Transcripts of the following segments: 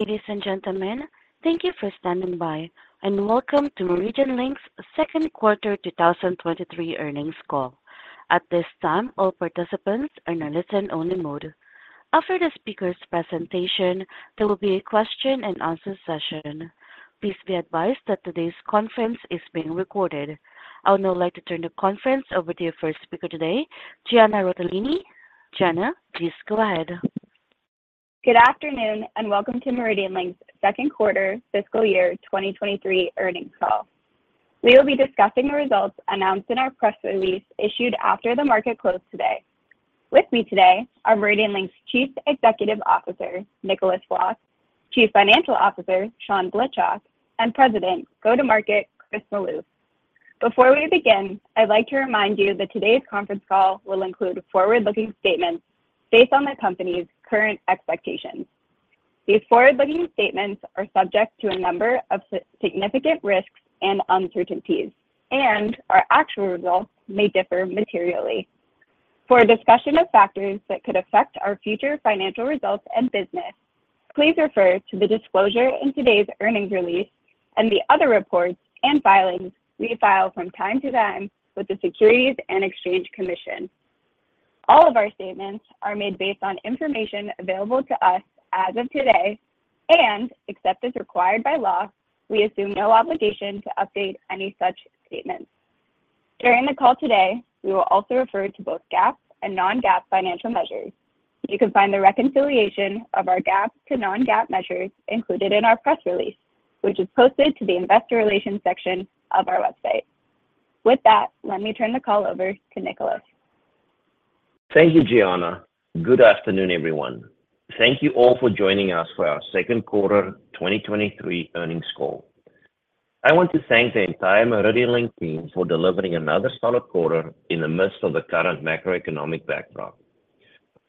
Ladies and gentlemen, thank you for standing by, and welcome to MeridianLink's second quarter 2023 earnings call. At this time, all participants are in a listen-only mode. After the speaker's presentation, there will be a question and answer session. Please be advised that today's conference is being recorded. I would now like to turn the conference over to your first speaker today, Gianna Rotellini. Gianna, please go ahead. Good afternoon, and welcome to MeridianLink's second quarter fiscal year 2023 earnings call. We will be discussing the results announced in our press release issued after the market closed today. With me today are MeridianLink's Chief Executive Officer, Nicolaas Vlok, Chief Financial Officer, Sean Blitchok, and President Go-To-Market, Chris Maloof. Before we begin, I'd like to remind you that today's conference call will include forward-looking statements based on the company's current expectations. These forward-looking statements are subject to a number of significant risks and uncertainties, and our actual results may differ materially. For a discussion of factors that could affect our future financial results and business, please refer to the disclosure in today's earnings release and the other reports and filings we file from time to time with the Securities and Exchange Commission. All of our statements are made based on information available to us as of today, except as required by law, we assume no obligation to update any such statements. During the call today, we will also refer to both GAAP and non-GAAP financial measures. You can find the reconciliation of our GAAP to non-GAAP measures included in our press release, which is posted to the Investor Relations section of our website. With that, let me turn the call over to Nicolaas. Thank you, Gianna. Good afternoon, everyone. Thank you all for joining us for our second quarter 2023 earnings call. I want to thank the entire MeridianLink team for delivering another solid quarter in the midst of the current macroeconomic backdrop.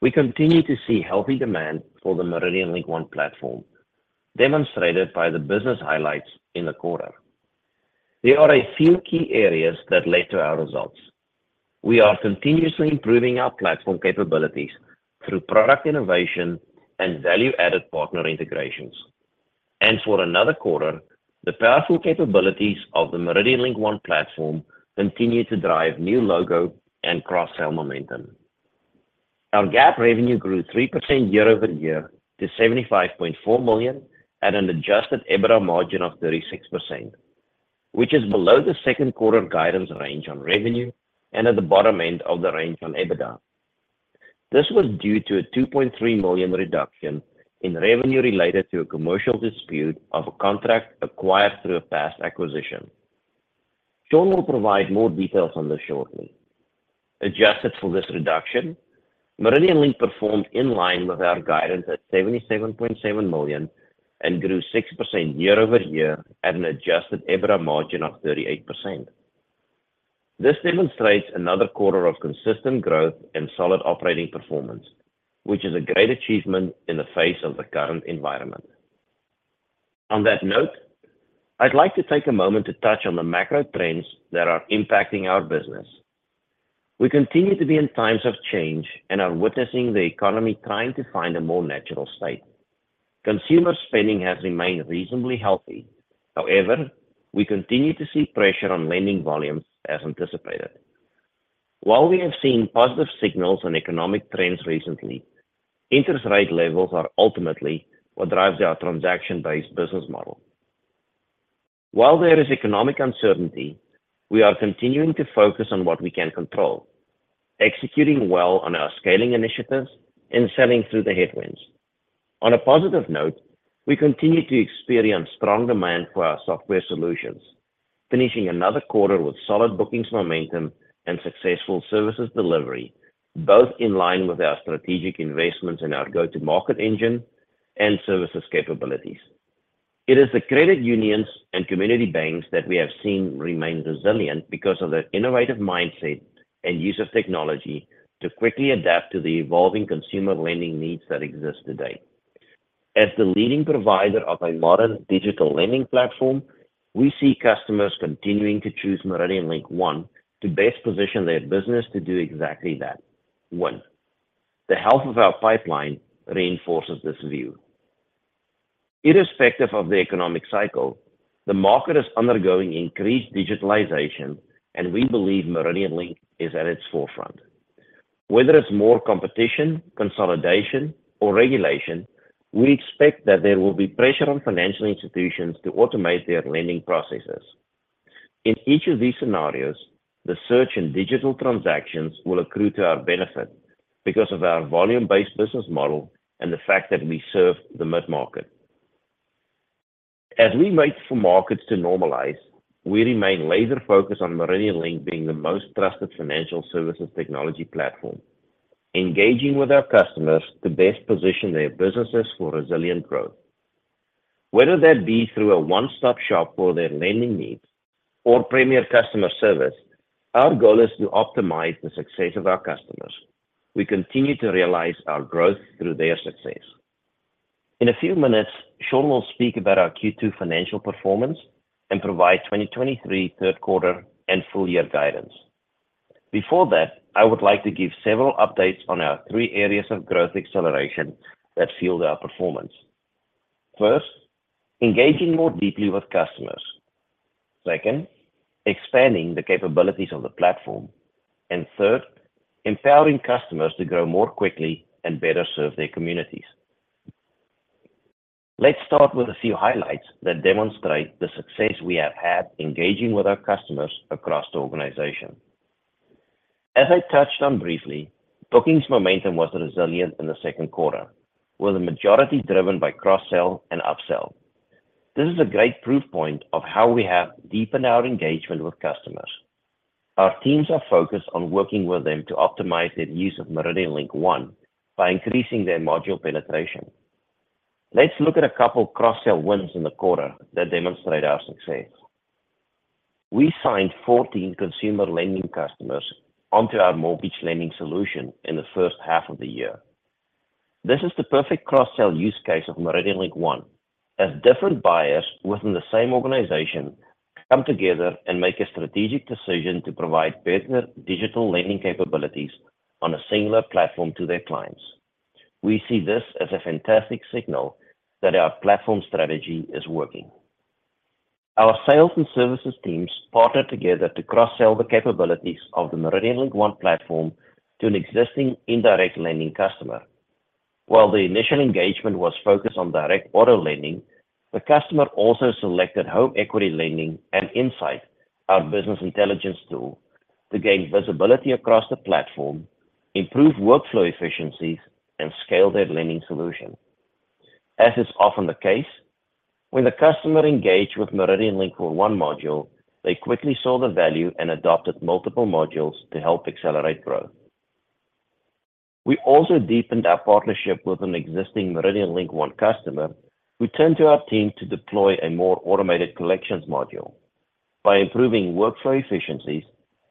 We continue to see healthy demand for the MeridianLink One platform, demonstrated by the business highlights in the quarter. There are a few key areas that led to our results. We are continuously improving our platform capabilities through product innovation and value-added partner integrations. For another quarter, the powerful capabilities of the MeridianLink One platform continue to drive new logo and cross-sell momentum. Our GAAP revenue grew 3% year-over-year to $75.4 million at an Adjusted EBITDA margin of 36%, which is below the second quarter guidance range on revenue and at the bottom end of the range on EBITDA. This was due to a $2.3 million reduction in revenue related to a commercial dispute of a contract acquired through a past acquisition. Sean will provide more details on this shortly. Adjusted for this reduction, MeridianLink performed in line with our guidance at $77.7 million and grew 6% year-over-year at an Adjusted EBITDA margin of 38%. This demonstrates another quarter of consistent growth and solid operating performance, which is a great achievement in the face of the current environment. On that note, I'd like to take a moment to touch on the macro trends that are impacting our business. We continue to be in times of change and are witnessing the economy trying to find a more natural state. Consumer spending has remained reasonably healthy. However, we continue to see pressure on lending volumes as anticipated. While we have seen positive signals on economic trends recently, interest rate levels are ultimately what drives our transaction-based business model. While there is economic uncertainty, we are continuing to focus on what we can control, executing well on our scaling initiatives and sailing through the headwinds. On a positive note, we continue to experience strong demand for our software solutions, finishing another quarter with solid bookings momentum and successful services delivery, both in line with our strategic investments in our go-to-market engine and services capabilities. It is the credit unions and community banks that we have seen remain resilient because of their innovative mindset and use of technology to quickly adapt to the evolving consumer lending needs that exist today. As the leading provider of a modern digital lending platform, we see customers continuing to choose MeridianLink One to best position their business to do exactly that. One, the health of our pipeline reinforces this view. Irrespective of the economic cycle, the market is undergoing increased digitalization, and we believe MeridianLink is at its forefront. Whether it's more competition, consolidation, or regulation, we expect that there will be pressure on financial institutions to automate their lending processes. In each of these scenarios, the search in digital transactions will accrue to our benefit because of our volume-based business model and the fact that we serve the mid-market. As we wait for markets to normalize, we remain laser-focused on MeridianLink being the most trusted financial services technology platform, engaging with our customers to best position their businesses for resilient growth. Whether that be through a one-stop shop for their lending needs or premier customer service, our goal is to optimize the success of our customers. We continue to realize our growth through their success. In a few minutes, Sean will speak about our Q2 financial performance and provide 2023 3rd quarter and full year guidance. Before that, I would like to give several updates on our three areas of growth acceleration that fueled our performance. First, engaging more deeply with customers. Second, expanding the capabilities of the platform. Third, empowering customers to grow more quickly and better serve their communities. Let's start with a few highlights that demonstrate the success we have had engaging with our customers across the organization. As I touched on briefly, bookings momentum was resilient in the second quarter, with the majority driven by cross-sell and upsell. This is a great proof point of how we have deepened our engagement with customers. Our teams are focused on working with them to optimize their use of MeridianLink One by increasing their module penetration. Let's look at a couple of cross-sell wins in the quarter that demonstrate our success. We signed 14 consumer lending customers onto our mortgage lending solution in the first half of the year. This is the perfect cross-sell use case of MeridianLink One, as different buyers within the same organization come together and make a strategic decision to provide better digital lending capabilities on a singular platform to their clients. We see this as a fantastic signal that our platform strategy is working. Our sales and services teams partnered together to cross-sell the capabilities of the MeridianLink One platform to an existing indirect lending customer. While the initial engagement was focused on direct auto lending, the customer also selected home equity lending and Insight, our business intelligence tool, to gain visibility across the platform, improve workflow efficiencies, and scale their lending solution. As is often the case, when the customer engaged with MeridianLink One module, they quickly saw the value and adopted multiple modules to help accelerate growth. We also deepened our partnership with an existing MeridianLink One customer, who turned to our team to deploy a more automated collections module. By improving workflow efficiencies,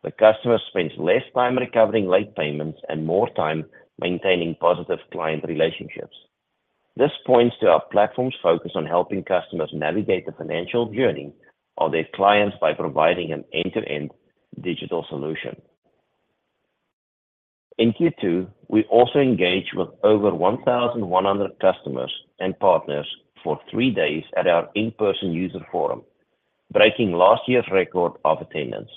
the customer spends less time recovering late payments and more time maintaining positive client relationships. This points to our platform's focus on helping customers navigate the financial journey of their clients by providing an end-to-end digital solution. In Q2, we also engaged with over 1,100 customers and partners for three days at our in-person user forum, breaking last year's record of attendance.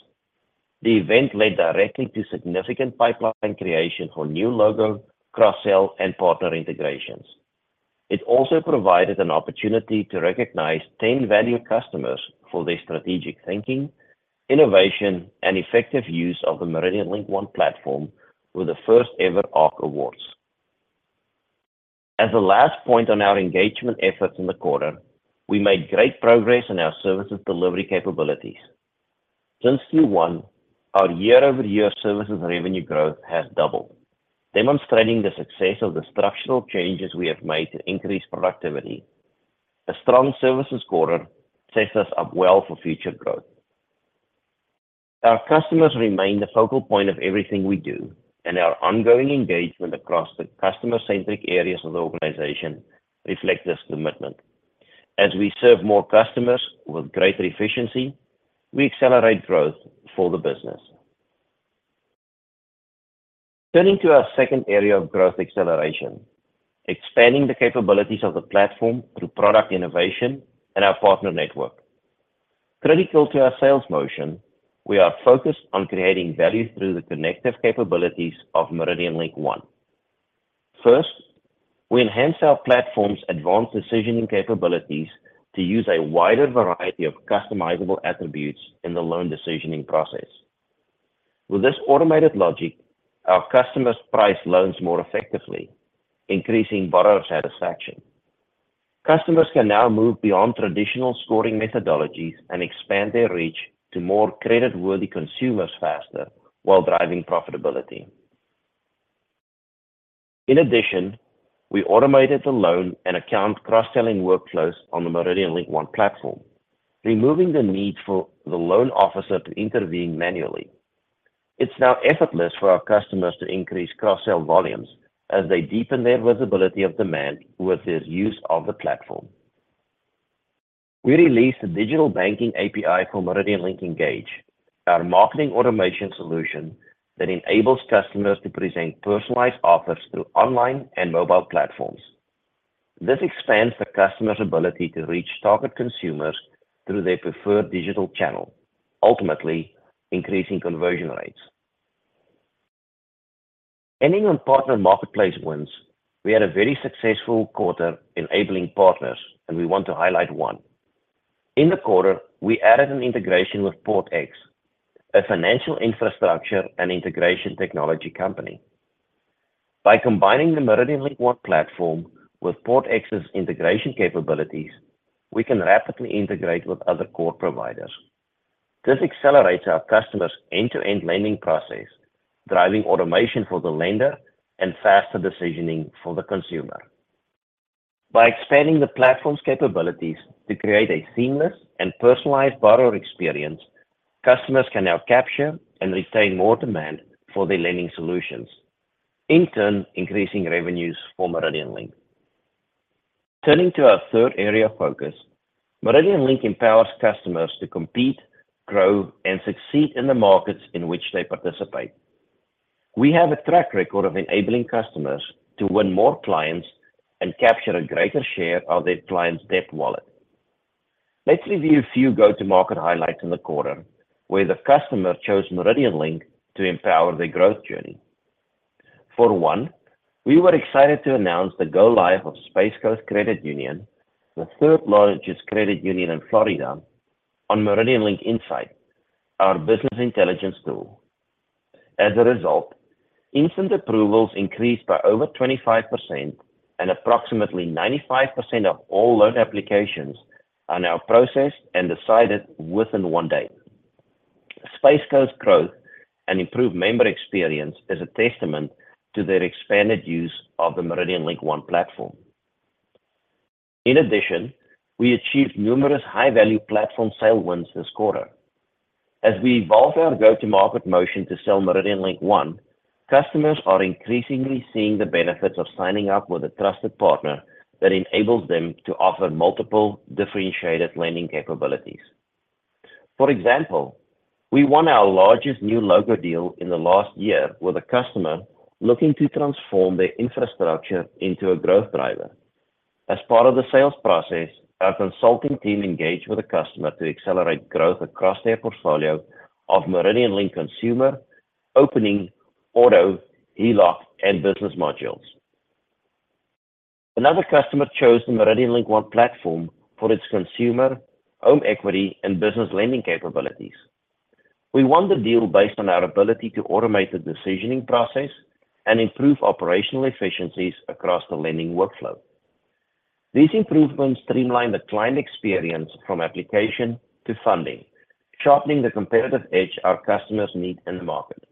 The event led directly to significant pipeline creation for new logo, cross-sell, and partner integrations. It also provided an opportunity to recognize 10 valued customers for their strategic thinking, innovation, and effective use of the MeridianLink One platform with the first-ever Arc Awards. As a last point on our engagement efforts in the quarter, we made great progress in our services delivery capabilities. Since Q1, our year-over-year services revenue growth has doubled, demonstrating the success of the structural changes we have made to increase productivity. A strong services quarter sets us up well for future growth. Our customers remain the focal point of everything we do, and our ongoing engagement across the customer-centric areas of the organization reflect this commitment. As we serve more customers with greater efficiency, we accelerate growth for the business. Turning to our second area of growth acceleration, expanding the capabilities of the platform through product innovation and our partner network. Critical to our sales motion, we are focused on creating value through the connective capabilities of MeridianLink One. First, we enhanced our platform's advanced decisioning capabilities to use a wider variety of customizable attributes in the loan decisioning process. With this automated logic, our customers price loans more effectively, increasing borrower satisfaction. Customers can now move beyond traditional scoring methodologies and expand their reach to more creditworthy consumers faster, while driving profitability. In addition, we automated the loan and account cross-selling workflows on the MeridianLink One platform, removing the need for the loan officer to intervene manually. It's now effortless for our customers to increase cross-sell volumes as they deepen their visibility of demand with their use of the platform. We released a digital banking API for MeridianLink Engage, our marketing automation solution that enables customers to present personalized offers through online and mobile platforms. This expands the customer's ability to reach target consumers through their preferred digital channel, ultimately increasing conversion rates. Ending on partner marketplace wins, we had a very successful quarter enabling partners. We want to highlight one. In the quarter, we added an integration with PortX, a financial infrastructure and integration technology company. By combining the MeridianLink One platform with PortX's integration capabilities, we can rapidly integrate with other core providers. This accelerates our customers' end-to-end lending process, driving automation for the lender and faster decisioning for the consumer. By expanding the platform's capabilities to create a seamless and personalized borrower experience, customers can now capture and retain more demand for their lending solutions, in turn, increasing revenues for MeridianLink. Turning to our third area of focus, MeridianLink empowers customers to compete, grow, and succeed in the markets in which they participate. We have a track record of enabling customers to win more clients and capture a greater share of their clients' debt wallet. Let's review a few go-to-market highlights in the quarter, where the customer chose MeridianLink to empower their growth journey. For one, we were excited to announce the go-live of Space Coast Credit Union, the third largest credit union in Florida, on MeridianLink Insight, our business intelligence tool. As a result, instant approvals increased by over 25%, and approximately 95% of all loan applications are now processed and decided within one day. Space Coast growth and improved member experience is a testament to their expanded use of the MeridianLink One platform. In addition, we achieved numerous high-value platform sale wins this quarter. As we evolve our go-to-market motion to sell MeridianLink One, customers are increasingly seeing the benefits of signing up with a trusted partner that enables them to offer multiple differentiated lending capabilities. For example, we won our largest new logo deal in the last year with a customer looking to transform their infrastructure into a growth driver. As part of the sales process, our consulting team engaged with the customer to accelerate growth across their portfolio of MeridianLink consumer, opening, auto, HELOC, and business modules. Another customer chose the MeridianLink One platform for its consumer, home equity, and business lending capabilities. We won the deal based on our ability to automate the decisioning process and improve operational efficiencies across the lending workflow. These improvements streamline the client experience from application to funding, sharpening the competitive edge our customers need in the market.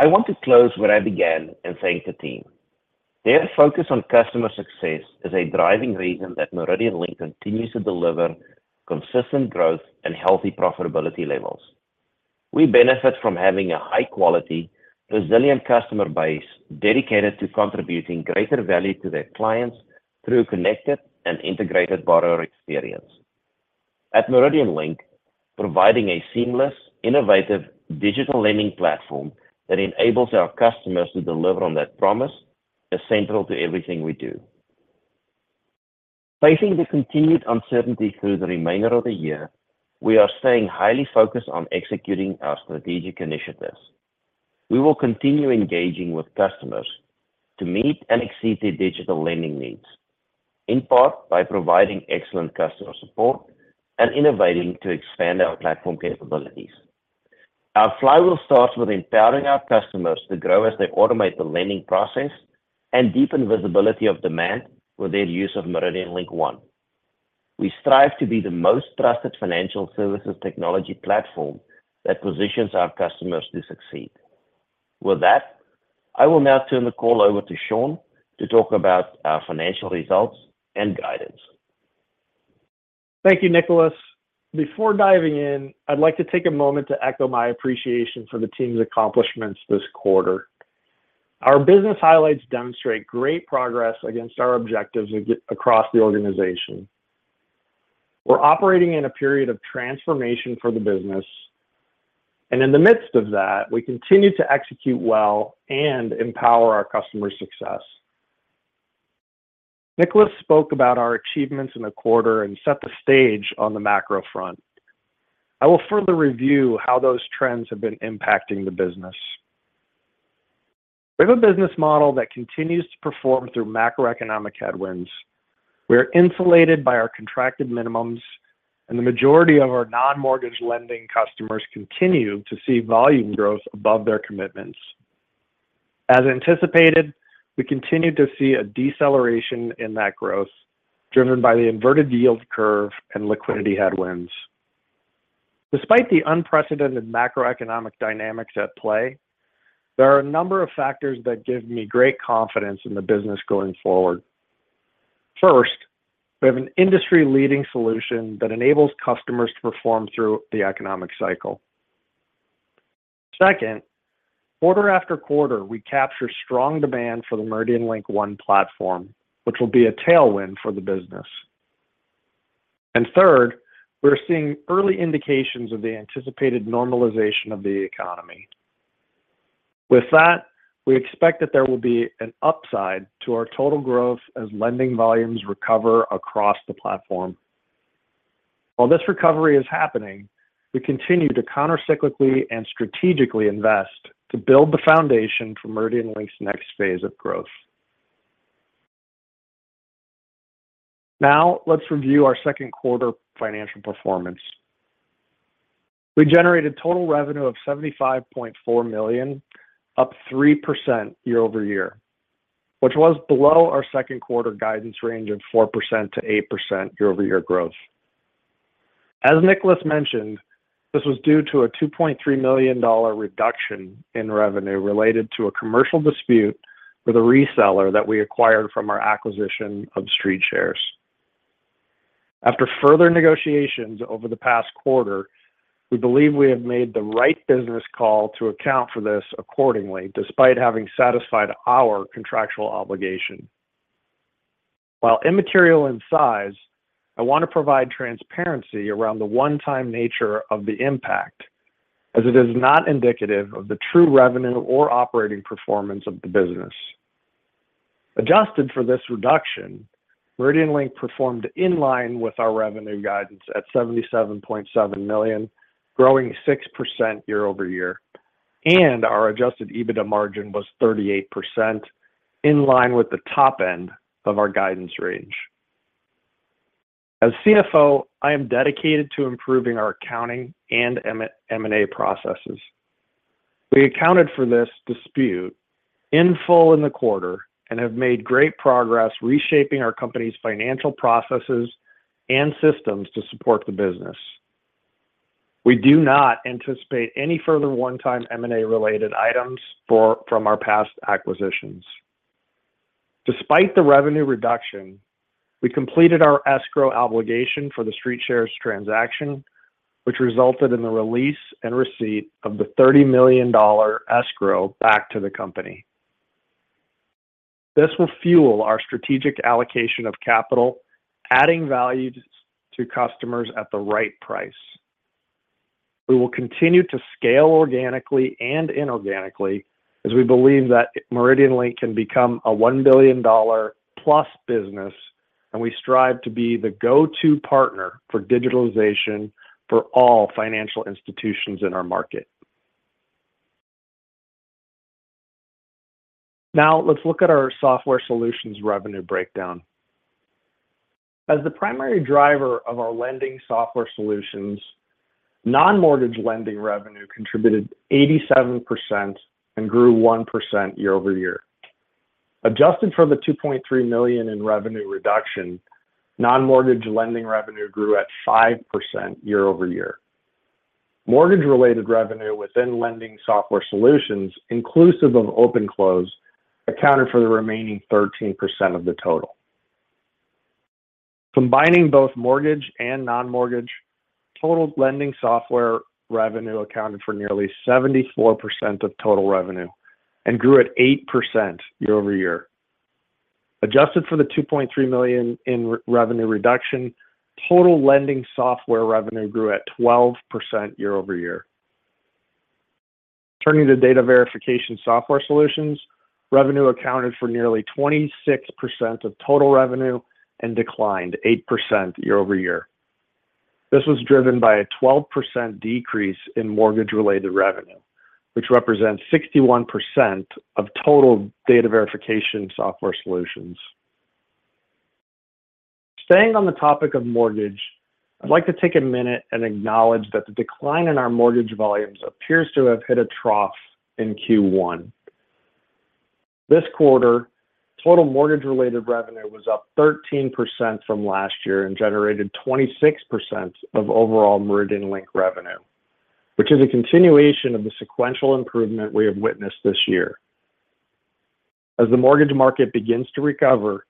I want to close where I began in saying the team, their focus on customer success is a driving reason that MeridianLink continues to deliver consistent growth and healthy profitability levels. We benefit from having a high-quality, resilient customer base dedicated to contributing greater value to their clients through a connected and integrated borrower experience. At MeridianLink, providing a seamless, innovative digital lending platform that enables our customers to deliver on that promise is central to everything we do. Facing the continued uncertainty through the remainder of the year, we are staying highly focused on executing our strategic initiatives. We will continue engaging with customers to meet and exceed their digital lending needs, in part, by providing excellent customer support and innovating to expand our platform capabilities. Our flywheel starts with empowering our customers to grow as they automate the lending process and deepen visibility of demand for their use of MeridianLink One. We strive to be the most trusted financial services technology platform that positions our customers to succeed. With that, I will now turn the call over to Sean to talk about our financial results and guidance. Thank you, Nicolaas. Before diving in, I'd like to take a moment to echo my appreciation for the team's accomplishments this quarter. Our business highlights demonstrate great progress against our objectives across the organization. We're operating in a period of transformation for the business, and in the midst of that, we continue to execute well and empower our customers' success. Nicolaas spoke about our achievements in the quarter and set the stage on the macro front. I will further review how those trends have been impacting the business. We have a business model that continues to perform through macroeconomic headwinds. We're insulated by our contracted minimums. The majority of our non-mortgage lending customers continue to see volume growth above their commitments. As anticipated, we continue to see a deceleration in that growth, driven by the inverted yield curve and liquidity headwinds. Despite the unprecedented macroeconomic dynamics at play, there are a number of factors that give me great confidence in the business going forward. First, we have an industry-leading solution that enables customers to perform through the economic cycle. Second, quarter-after-quarter, we capture strong demand for the MeridianLink One platform, which will be a tailwind for the business. Third, we're seeing early indications of the anticipated normalization of the economy. With that, we expect that there will be an upside to our total growth as lending volumes recover across the platform. While this recovery is happening, we continue to countercyclically and strategically invest to build the foundation for MeridianLink's next phase of growth. Now, let's review our second quarter financial performance. We generated total revenue of $75.4 million, up 3% year-over-year, which was below our second quarter guidance range of 4%-8% year-over-year growth. As Nicolaas mentioned, this was due to a $2.3 million reduction in revenue related to a commercial dispute with a reseller that we acquired from our acquisition of StreetShares. After further negotiations over the past quarter, we believe we have made the right business call to account for this accordingly, despite having satisfied our contractual obligation. While immaterial in size, I want to provide transparency around the one-time nature of the impact, as it is not indicative of the true revenue or operating performance of the business. Adjusted for this reduction, MeridianLink performed in line with our revenue guidance at $77.7 million, growing 6% year-over-year, and our Adjusted EBITDA margin was 38%, in line with the top end of our guidance range. As CFO, I am dedicated to improving our accounting and M&A processes. We accounted for this dispute in full in the quarter and have made great progress reshaping our company's financial processes and systems to support the business. We do not anticipate any further one-time M&A-related items from our past acquisitions. Despite the revenue reduction, we completed our escrow obligation for the StreetShares transaction, which resulted in the release and receipt of the $30 million escrow back to the company. This will fuel our strategic allocation of capital, adding value to customers at the right price. We will continue to scale organically and inorganically as we believe that MeridianLink can become a $1 billion+ business, we strive to be the go-to partner for digitalization for all financial institutions in our market. Now, let's look at our software solutions revenue breakdown. As the primary driver of our lending software solutions, non-mortgage lending revenue contributed 87% and grew 1% year-over-year. Adjusted from the $2.3 million in revenue reduction, non-mortgage lending revenue grew at 5% year-over-year. Mortgage-related revenue within lending software solutions, inclusive of OpenClose, accounted for the remaining 13% of the total. Combining both mortgage and non-mortgage, total lending software revenue accounted for nearly 74% of total revenue and grew at 8% year-over-year. Adjusted for the $2.3 million in revenue reduction, total lending software revenue grew at 12% year-over-year. Turning to data verification software solutions, revenue accounted for nearly 26% of total revenue and declined 8% year-over-year. This was driven by a 12% decrease in mortgage-related revenue, which represents 61% of total data verification software solutions. Staying on the topic of mortgage, I'd like to take a minute and acknowledge that the decline in our mortgage volumes appears to have hit a trough in Q1. This quarter, total mortgage-related revenue was up 13% from last year and generated 26% of overall MeridianLink revenue, which is a continuation of the sequential improvement we have witnessed this year. As the mortgage market begins to recover,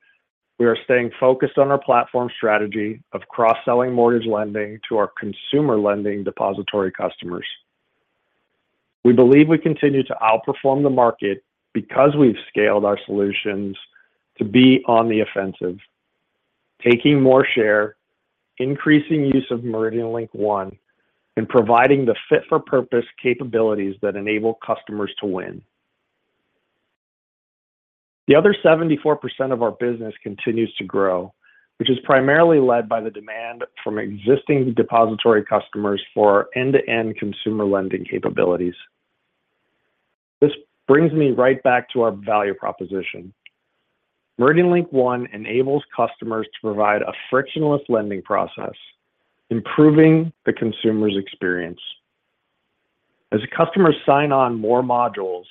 we are staying focused on our platform strategy of cross-selling mortgage lending to our consumer lending depository customers. We believe we continue to outperform the market because we've scaled our solutions to be on the offensive, taking more share, increasing use of MeridianLink One, and providing the fit-for-purpose capabilities that enable customers to win. The other 74% of our business continues to grow, which is primarily led by the demand from existing depository customers for our end-to-end consumer lending capabilities. This brings me right back to our value proposition. MeridianLink One enables customers to provide a frictionless lending process, improving the consumer's experience. As customers sign on more modules,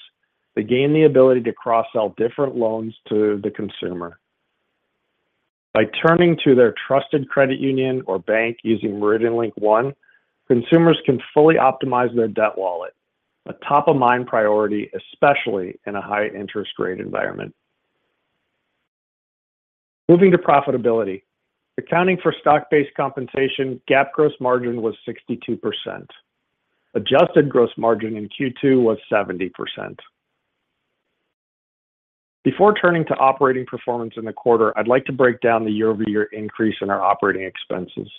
they gain the ability to cross-sell different loans to the consumer. By turning to their trusted credit union or bank using MeridianLink One, consumers can fully optimize their debt wallet, a top-of-mind priority, especially in a high-interest rate environment. Moving to profitability. Accounting for stock-based compensation, GAAP gross margin was 62%. Adjusted gross margin in Q2 was 70%. Before turning to operating performance in the quarter, I'd like to break down the year-over-year increase in our operating expenses.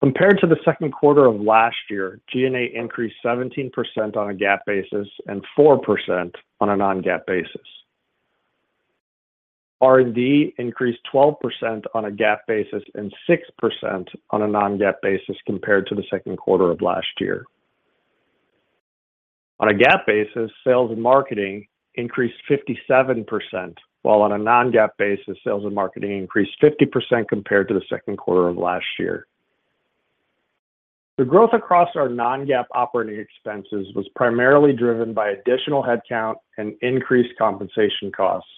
Compared to the second quarter of last year, G&A increased 17% on a GAAP basis and 4% on a non-GAAP basis. R&D increased 12% on a GAAP basis and 6% on a non-GAAP basis compared to the second quarter of last year. On a GAAP basis, sales and marketing increased 57%, while on a non-GAAP basis, sales and marketing increased 50% compared to the second quarter of last year. The growth across our non-GAAP operating expenses was primarily driven by additional headcount and increased compensation costs.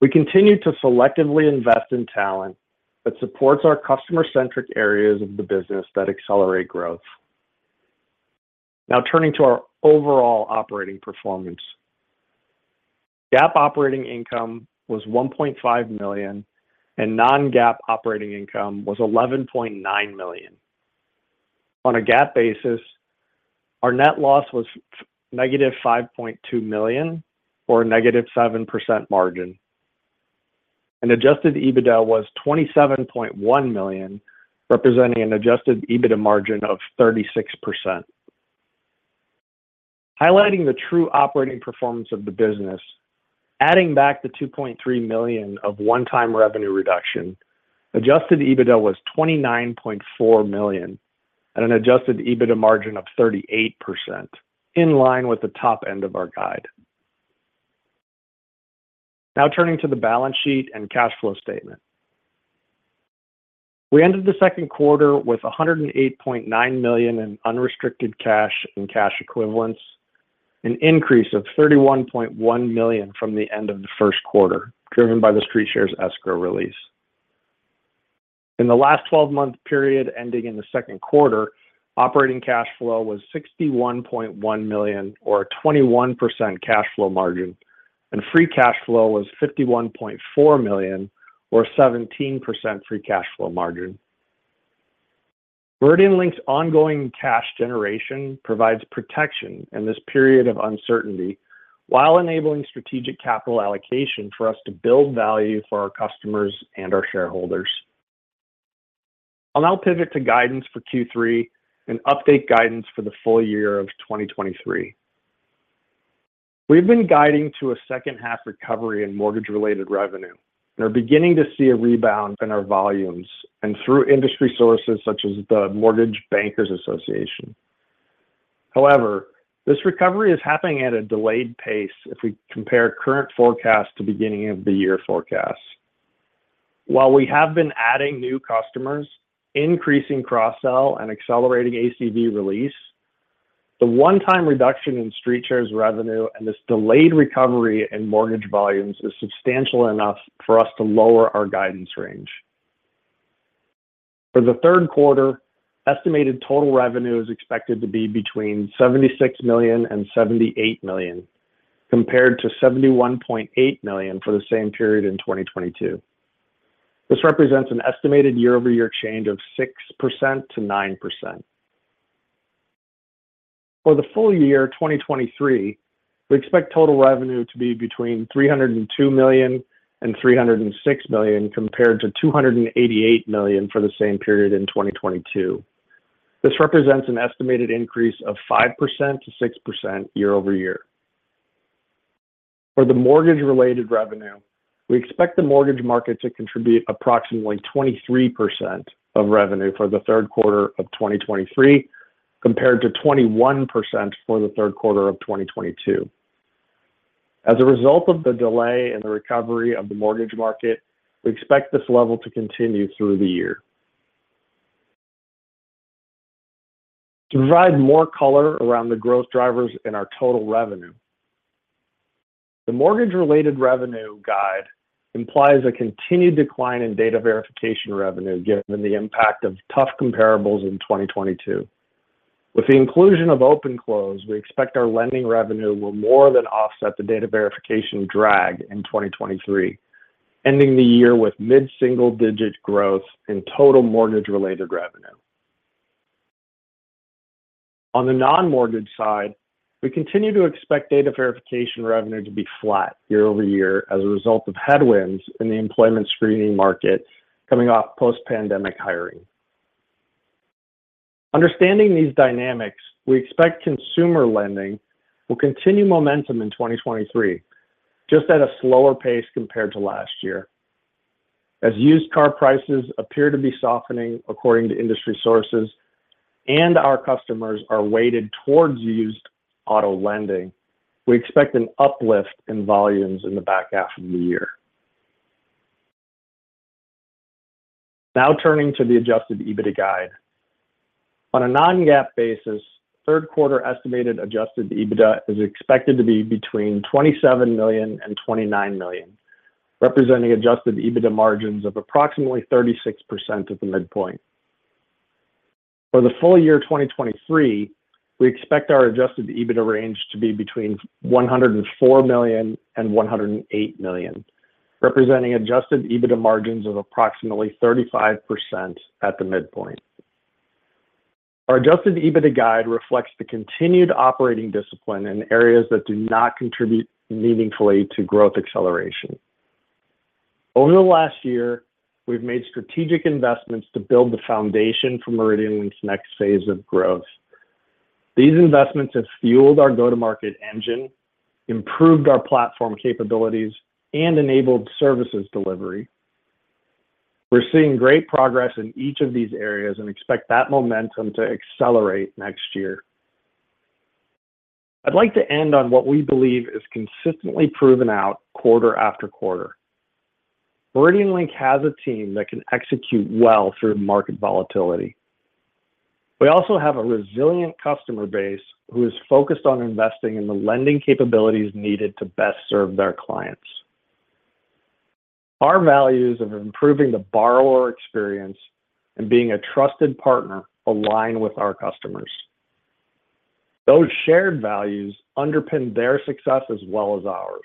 We continue to selectively invest in talent that supports our customer-centric areas of the business that accelerate growth. Now turning to our overall operating performance. GAAP operating income was $1.5 million, and non-GAAP operating income was $11.9 million. On a GAAP basis, our net loss was -$5.2 million, or a -7% margin. Adjusted EBITDA was $27.1 million, representing an Adjusted EBITDA margin of 36%. Highlighting the true operating performance of the business, adding back the $2.3 million of one-time revenue reduction, Adjusted EBITDA was $29.4 million at an Adjusted EBITDA margin of 38%, in line with the top end of our guide. Now turning to the balance sheet and cash flow statement. We ended the second quarter with $108.9 million in unrestricted cash and cash equivalents, an increase of $31.1 million from the end of the first quarter, driven by the StreetShares escrow release. In the last 12-month period ending in the second quarter, operating cash flow was $61.1 million or a 21% cash flow margin, and free cash flow was $51.4 million or 17% free cash flow margin. MeridianLink's ongoing cash generation provides protection in this period of uncertainty, while enabling strategic capital allocation for us to build value for our customers and our shareholders. I'll now pivot to guidance for Q3 and update guidance for the full year of 2023. We've been guiding to a second-half recovery in mortgage-related revenue, and are beginning to see a rebound in our volumes and through industry sources such as the Mortgage Bankers Association. However, this recovery is happening at a delayed pace if we compare current forecasts to beginning of the year forecasts. While we have been adding new customers, increasing cross-sell, and accelerating ACV release, the one-time reduction in StreetShares revenue and this delayed recovery in mortgage volumes is substantial enough for us to lower our guidance range. For the third quarter, estimated total revenue is expected to be between $76 million and $78 million, compared to $71.8 million for the same period in 2022. This represents an estimated year-over-year change of 6%-9%. For the full year 2023, we expect total revenue to be between $302 million and $306 million, compared to $288 million for the same period in 2022. This represents an estimated increase of 5%-6% year-over-year. For the mortgage-related revenue, we expect the mortgage market to contribute approximately 23% of revenue for the third quarter of 2023, compared to 21% for the third quarter of 2022. As a result of the delay in the recovery of the mortgage market, we expect this level to continue through the year. To provide more color around the growth drivers in our total revenue, the mortgage-related revenue guide implies a continued decline in data verification revenue, given the impact of tough comparables in 2022. With the inclusion of OpenClose, we expect our lending revenue will more than offset the data verification drag in 2023, ending the year with mid-single-digit growth in total mortgage-related revenue. On the non-mortgage side, we continue to expect data verification revenue to be flat year-over-year as a result of headwinds in the employment screening market coming off post-pandemic hiring. Understanding these dynamics, we expect consumer lending will continue momentum in 2023, just at a slower pace compared to last year. As used car prices appear to be softening according to industry sources, and our customers are weighted towards used auto lending, we expect an uplift in volumes in the back half of the year. Now turning to the Adjusted EBITDA guide. On a non-GAAP basis, third quarter estimated Adjusted EBITDA is expected to be between $27 million and $29 million, representing Adjusted EBITDA margins of approximately 36% at the midpoint. For the full year 2023, we expect our Adjusted EBITDA range to be between $104 million and $108 million, representing Adjusted EBITDA margins of approximately 35% at the midpoint. Our Adjusted EBITDA guide reflects the continued operating discipline in areas that do not contribute meaningfully to growth acceleration. Over the last year, we've made strategic investments to build the foundation for MeridianLink's next phase of growth. These investments have fueled our go-to-market engine, improved our platform capabilities, and enabled services delivery. We're seeing great progress in each of these areas and expect that momentum to accelerate next year. I'd like to end on what we believe is consistently proven out quarter-after-quarter. MeridianLink has a team that can execute well through market volatility. We also have a resilient customer base who is focused on investing in the lending capabilities needed to best serve their clients. Our values of improving the borrower experience and being a trusted partner align with our customers. Those shared values underpin their success as well as ours.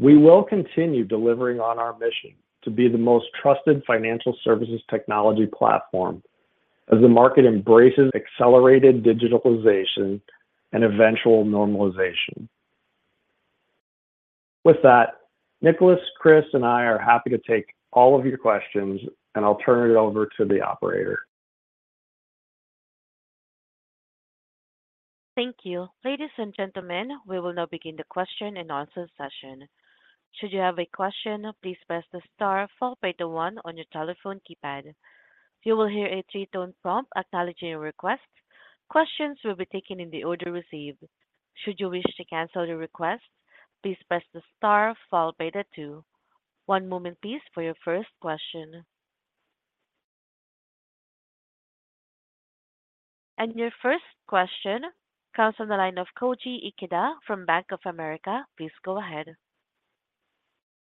We will continue delivering on our mission to be the most trusted financial services technology platform as the market embraces accelerated digitalization and eventual normalization. With that, Nicolaas, Chris, and I are happy to take all of your questions, and I'll turn it over to the operator. Thank you. Ladies and gentlemen, we will now begin the question and answer session. Should you have a question, please press the star followed by the one on your telephone keypad. You will hear a three-tone prompt acknowledging your request. Questions will be taken in the order received. Should you wish to cancel your request, please press the star followed by the two. One moment please for your first question. Your first question comes on the line of Koji Ikeda from Bank of America. Please go ahead.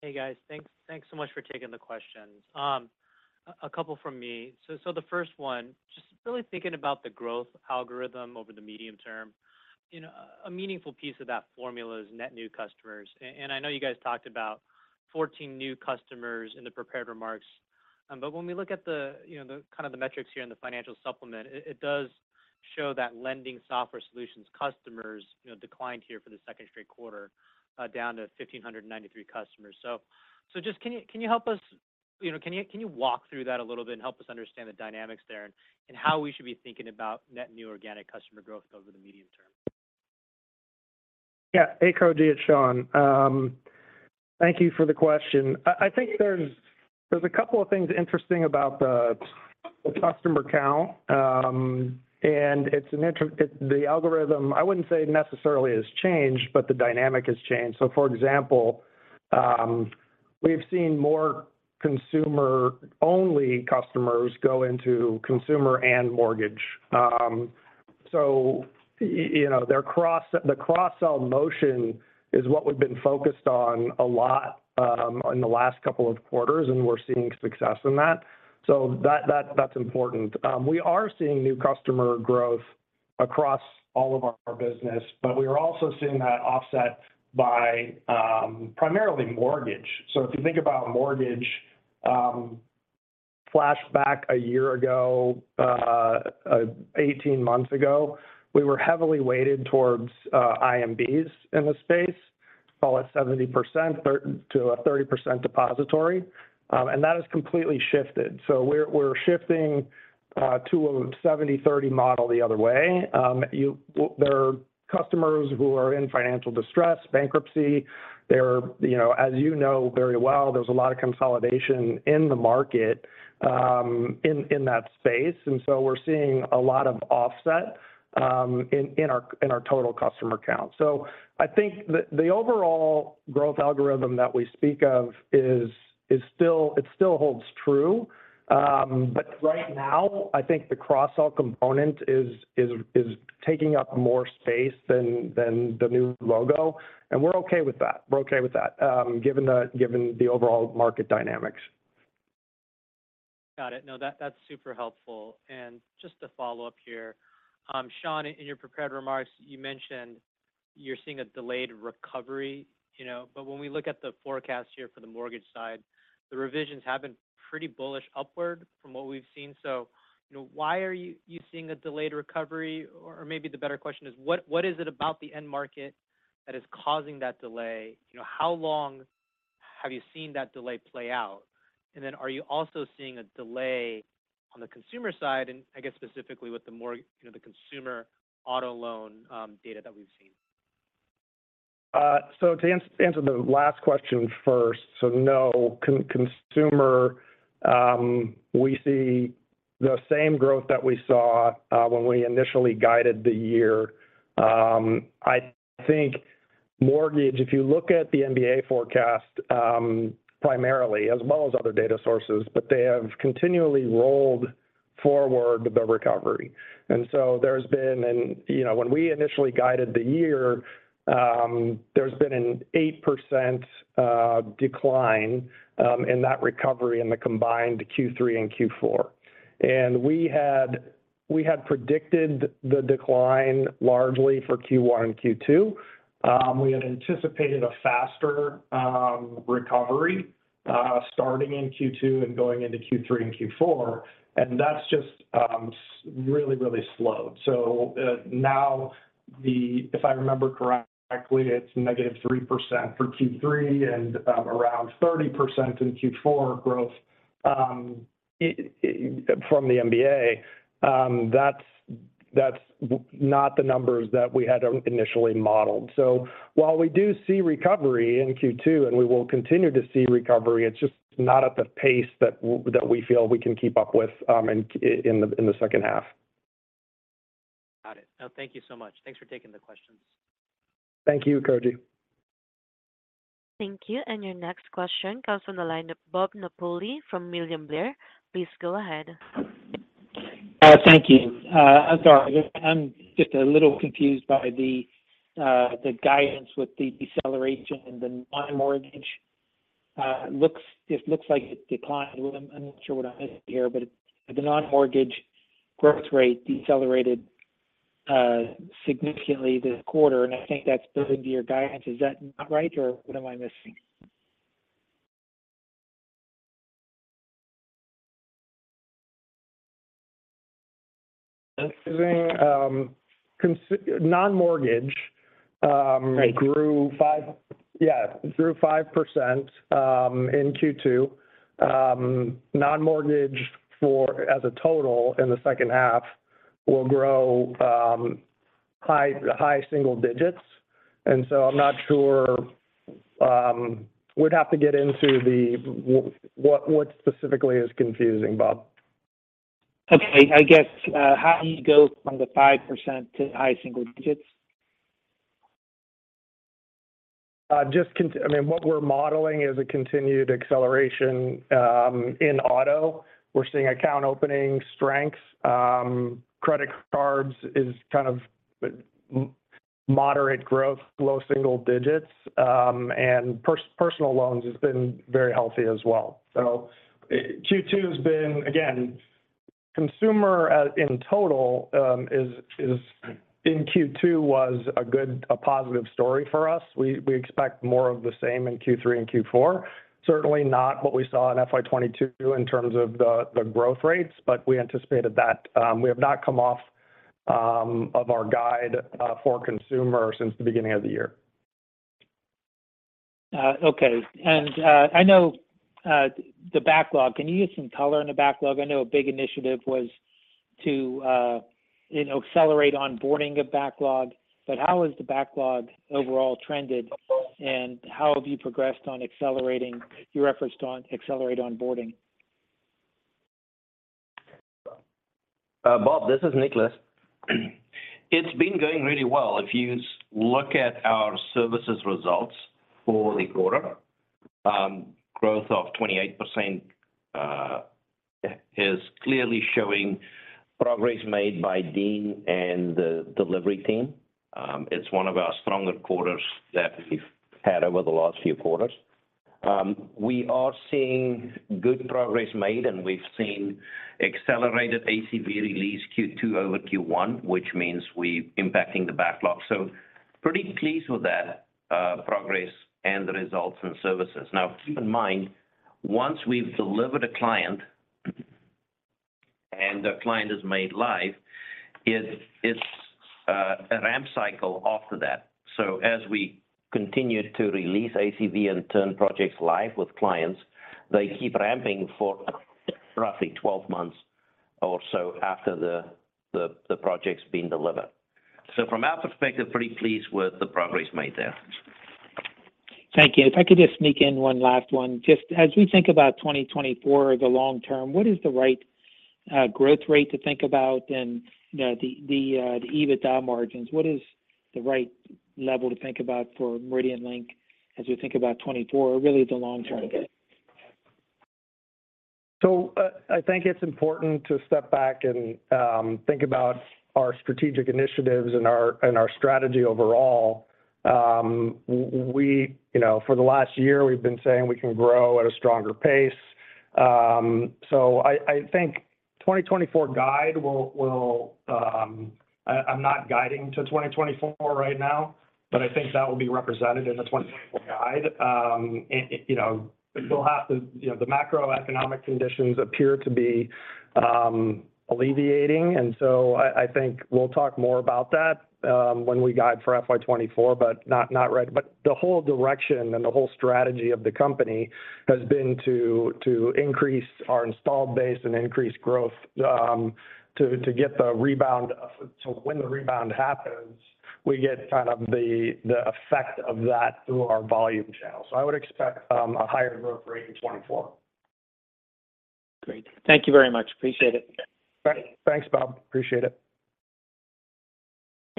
Hey, guys. Thanks, thanks so much for taking the questions. A couple from me. The first one, just really thinking about the growth algorithm over the medium term, you know, a meaningful piece of that formula is net new customers. I know you guys talked about 14 new customers in the prepared remarks. When we look at the, you know, the kind of the metrics here in the financial supplement, it, it does show that lending software solutions customers, you know, declined here for the second straight quarter, down to 1,593 customers. Just can you help us, you know, can you walk through that a little bit and help us understand the dynamics there, and how we should be thinking about net new organic customer growth over the medium term? Yeah. Hey, Koji, it's Sean. Thank you for the question. I, I think there's, there's a couple of things interesting about the, the customer count. It's The algorithm, I wouldn't say necessarily has changed, but the dynamic has changed. For example, we've seen more consumer-only customers go into consumer and mortgage. You know, the cross-sell motion is what we've been focused on a lot, in the last couple of quarters, and we're seeing success in that. That, that, that's important. We are seeing new customer growth across all of our business, but we are also seeing that offset by, primarily mortgage. If you think about mortgage, flashback a year ago, 18 months ago, we were heavily weighted towards IMBs in the space, call it 70%, to a 30% depository. That has completely shifted. We're, we're shifting to a 70%-30% model the other way. There are customers who are in financial distress, bankruptcy. There are You know, as you know very well, there's a lot of consolidation in the market, in, in that space, we're seeing a lot of offset in, in our, in our total customer count. I think the, the overall growth algorithm that we speak of is, it still holds true. Right now, I think the cross-sell component is, is, is taking up more space than, than the new logo, we're okay with that. We're okay with that, given the, given the overall market dynamics. Got it. No, that, that's super helpful. Just to follow up here, Sean, in your prepared remarks, you mentioned you're seeing a delayed recovery, you know? When we look at the forecast here for the mortgage side, the revisions have been pretty bullish upward from what we've seen. You know, why are you, you seeing a delayed recovery? Maybe the better question is, what, what is it about the end market that is causing that delay? You know, how long have you seen that delay play out? Then are you also seeing a delay on the consumer side, and I guess specifically with the more, you know, the consumer auto loan data that we've seen? So to answer the last question first, so no, consumer, we see the same growth that we saw when we initially guided the year. I think mortgage, if you look at the MBA forecast, primarily as well as other data sources, but they have continually rolled forward with the recovery. So there's been an you know, when we initially guided the year, there's been an 8% decline in that recovery in the combined Q3 and Q4. We had, we had predicted the decline largely for Q1 and Q2. We had anticipated a faster recovery starting in Q2 and going into Q3 and Q4, and that's just really, really slow. Now the if I remember correctly, it's negative 3% for Q3 and around 30% in Q4 growth from the MBA. That's, that's not the numbers that we had initially modeled. While we do see recovery in Q2, and we will continue to see recovery, it's just not at the pace that that we feel we can keep up with, in, in the, in the second half. Got it. Oh, thank you so much. Thanks for taking the questions. Thank you, Koji. Thank you. Your next question comes from the line of Bob Napoli from William Blair. Please go ahead. Thank you. I'm sorry, I'm just a little confused by the guidance with the deceleration in the non-mortgage. This looks like it declined a little. I'm not sure what I missed here, but the non-mortgage growth rate decelerated significantly this quarter, and I think that's built into your guidance. Is that not right, or what am I missing? Non-mortgage. Right Yeah, it grew 5% in Q2. Non-mortgage for as a total in the second half will grow high, high single digits. I'm not sure. We'd have to get into what specifically is confusing, Bob. Okay. I guess, how do you go from the 5% to high-single digits? Just, I mean, what we're modeling is a continued acceleration. In auto, we're seeing account opening strengths. Credit cards is kind of, moderate growth, low single digits. Personal loans has been very healthy as well. Q2 has been. Again, consumer, in total, is, is, in Q2 was a good, a positive story for us. We expect more of the same in Q3 and Q4. Certainly not what we saw in FY 2022 in terms of the, the growth rates, but we anticipated that. We have not come off of our guide for consumer since the beginning of the year. Okay. I know the backlog. Can you give some color on the backlog? I know a big initiative was to, you know, accelerate onboarding of backlog, but how has the backlog overall trended? How have you progressed on accelerating you referenced on accelerate onboarding? Bob, this is Nicolaas. It's been going really well. If you look at our services results for the quarter, growth of 28%, is clearly showing progress made by Dean and the delivery team. It's one of our stronger quarters that we've had over the last few quarters. We are seeing good progress made, and we've seen accelerated ACV release Q2 over Q1, which means we're impacting the backlog. Pretty pleased with that progress and the results in services. Now, keep in mind, once we've delivered a client, and the client is made live, it, it's a ramp cycle after that. As we continue to release ACV and turn projects live with clients, they keep ramping for roughly 12 months or so after the, the, the project's been delivered. From our perspective, pretty pleased with the progress made there. Thank you. If I could just sneak in one last one. Just as we think about 2024, the long term, what is the right growth rate to think about? You know, the EBITDA margins, what is the right level to think about for MeridianLink as we think about 2024 or really the long term? I, I think it's important to step back and think about our strategic initiatives and our, and our strategy overall. We, you know, for the last year, we've been saying we can grow at a stronger pace. I, I think 2024 guide will, will, I, I'm not guiding to 2024 right now, but I think that will be represented in the 2024 guide. And, you know, we'll have to, you know, the macroeconomic conditions appear to be alleviating, and I, I think we'll talk more about that when we guide for FY 2024 but not, not right. The whole direction and the whole strategy of the company has been to, to increase our installed base and increase growth, to, to get the rebound. When the rebound happens, we get kind of the, the effect of that through our volume channel. I would expect a higher growth rate in 2024. Great. Thank you very much. Appreciate it. Bye. Thanks, Bob. Appreciate it.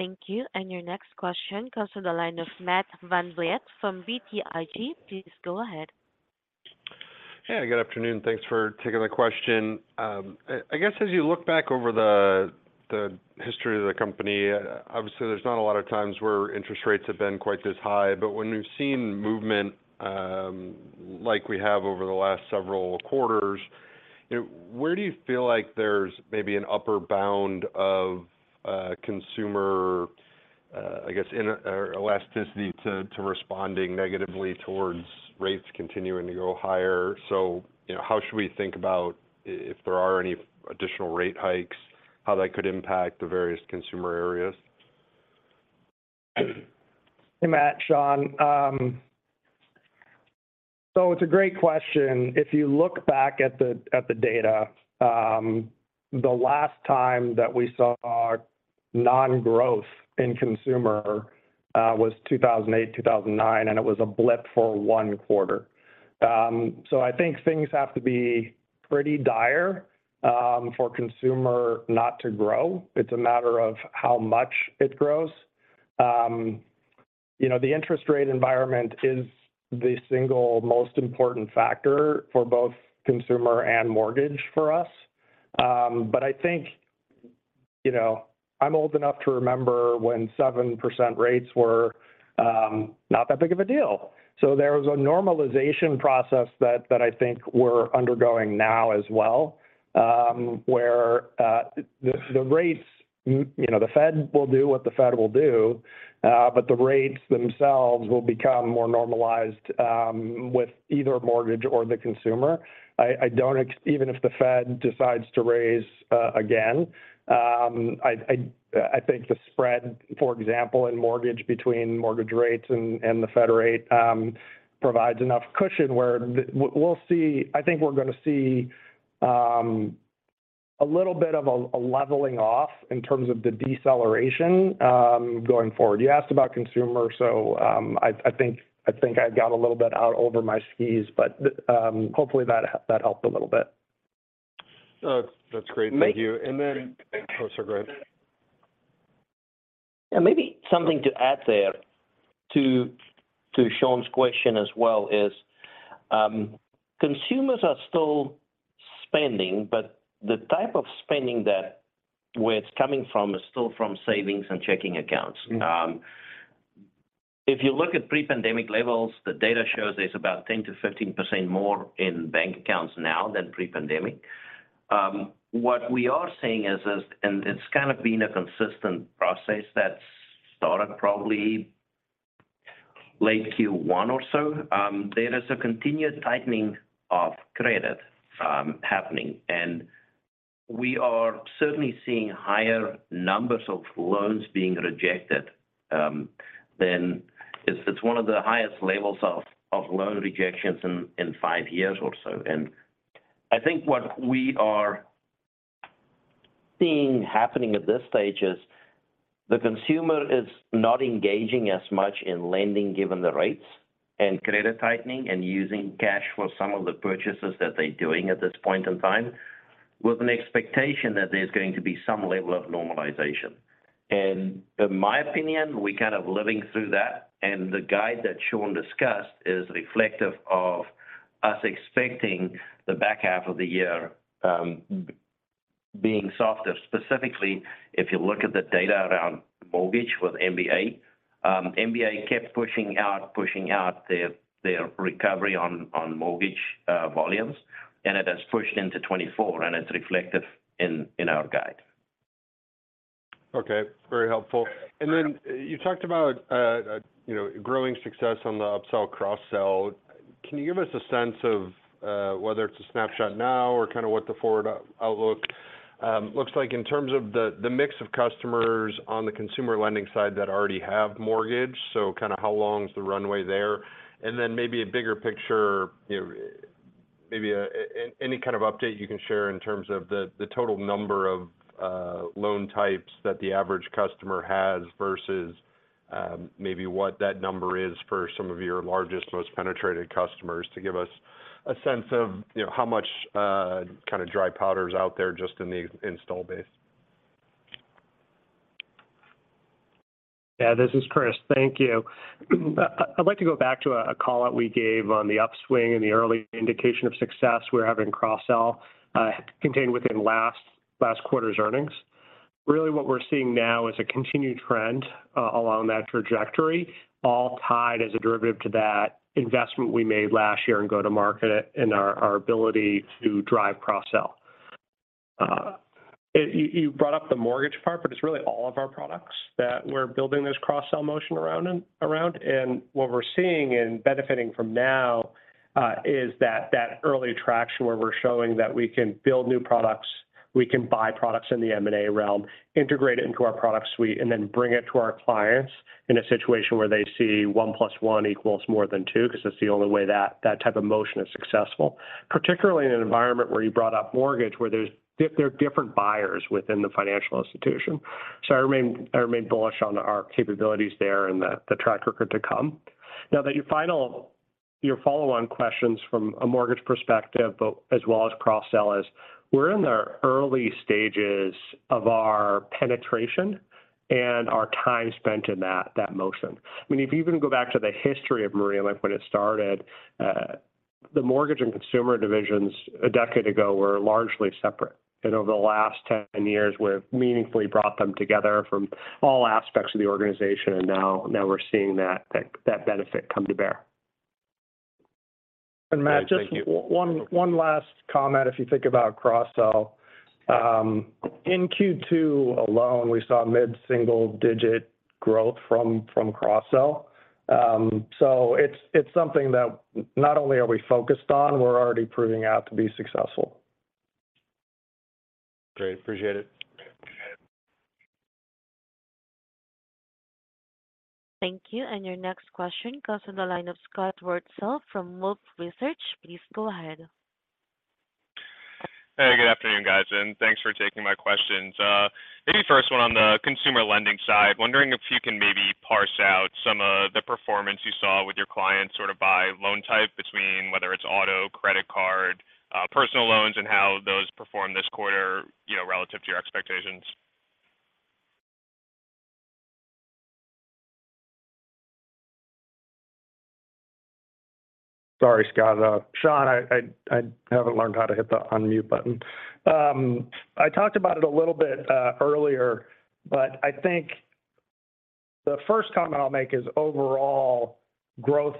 Thank you. Your next question comes from the line of Matt VanVliet from BTIG. Please go ahead. Hey, good afternoon. Thanks for taking the question. I, I guess as you look back over the, the history of the company, obviously, there's not a lot of times where interest rates have been quite this high. But when we've seen movement, like we have over the last several quarters, where do you feel like there's maybe an upper bound of consumer, I guess, or elasticity to responding negatively towards rates continuing to go higher? So, you know, how should we think about if there are any additional rate hikes, how that could impact the various consumer areas? Hey, Matt, Sean. It's a great question. If you look back at the, at the data, the last time that we saw non-growth in consumer, was 2008, 2009, and it was a blip for 1 quarter. I think things have to be pretty dire for consumer not to grow. It's a matter of how much it grows. You know, the interest rate environment is the single most important factor for both consumer and mortgage for us. I think, you know, I'm old enough to remember when 7% rates were not that big of a deal. There was a normalization process that, that I think we're undergoing now as well, where the rates, you know, the Fed will do what the Fed will do, but the rates themselves will become more normalized with either mortgage or the consumer. I don't even if the Fed decides to raise again, I think the spread, for example, in mortgage between mortgage rates and the Fed rate provides enough cushion where we'll see I think we're going to see a little bit of a leveling off in terms of the deceleration going forward. You asked about consumer, I think, I think I got a little bit out over my skis, but hopefully that helped a little bit. That's great. Thank you. Thank you. That was great. Yeah, maybe something to add there to, to Sean's question as well is, consumers are still spending, but the type of spending that where it's coming from is still from savings and checking accounts. If you look at pre-pandemic levels, the data shows there's about 10%-15% more in bank accounts now than pre-pandemic. What we are seeing is, and it's kind of been a consistent process that's started probably late Q1 or so. There is a continued tightening of credit happening, and we are certainly seeing higher numbers of loans being rejected. It's one of the highest levels of loan rejections in five years or so. I think what we are seeing happening at this stage is the consumer is not engaging as much in lending, given the rates and credit tightening, and using cash for some of the purchases that they're doing at this point in time, with an expectation that there's going to be some level of normalization. In my opinion, we're kind of living through that, and the guide that Sean discussed is reflective of us expecting the back half of the year, being softer. Specifically, if you look at the data around mortgage with MBA, MBA kept pushing out, pushing out their, their recovery on, on mortgage volumes, and it has pushed into 2024, and it's reflective in, in our guide. Okay. Very helpful. You talked about, you know, growing success on the upsell, cross-sell. Can you give us a sense of whether it's a snapshot now or kind of what the forward outlook looks like in terms of the mix of customers on the consumer lending side that already have mortgage? Kind of how long is the runway there? Maybe a bigger picture, you know, any kind of update you can share in terms of the total number of loan types that the average customer has versus maybe what that number is for some of your largest, most penetrated customers, to give us a sense of, you know, how much kind of dry powder is out there just in the install base. Yeah, this is Chris. Thank you. I'd like to go back to a, a call that we gave on the upswing and the early indication of success we're having in cross-sell, contained within last, last quarter's earnings. Really what we're seeing now is a continued trend, along that trajectory, all tied as a derivative to that investment we made last year and go-to-market and our, our ability to drive cross-sell. You, you brought up the mortgage part, but it's really all of our products that we're building this cross-sell motion around and around. What we're seeing and benefiting from now, is that, that early traction where we're showing that we can build new products, we can buy products in the M&A realm, integrate it into our product suite. And then bring it to our clients in a situation where they see 1+1 ≥ 2, because that's the only way that, that type of motion is successful. Particularly in an environment where you brought up mortgage, where there's there are different buyers within the financial institution. I remain, I remain bullish on our capabilities there and the, the track record to come. Your follow-on questions from a mortgage perspective, but as well as cross-sell is, we're in the early stages of our penetration and our time spent in that, that motion. I mean, if you even go back to the history of MeridianLink when it started, the mortgage and consumer divisions a decade ago were largely separate. Over the last 10 years, we've meaningfully brought them together from all aspects of the organization, and now, now we're seeing that, that, that benefit come to bear. Matt. Thank you. Just one, one last comment. If you think about cross-sell, in Q2 alone, we saw mid-single digit growth from, from cross-sell. It's, it's something that not only are we focused on, we're already proving out to be successful. Great. Appreciate it. Thank you. Your next question comes on the line of Scott Wurtzel from Wolfe Research. Please go ahead. Hey, good afternoon, guys, and thanks for taking my questions. Maybe first one on the consumer lending side, wondering if you can maybe parse out some of the performance you saw with your clients, sort of by loan type between whether it's auto, credit card, personal loans, and how those performed this quarter, you know, relative to your expectations? Sorry, Scott. Sean, I, I, I haven't learned how to hit the unmute button. I talked about it a little bit earlier, but I think the first comment I'll make is overall growth